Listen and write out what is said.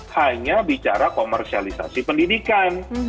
hanya bicara komersialisasi pendidikan